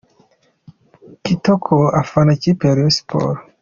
Kitoko : Afana ikipe ya Rayon Sports.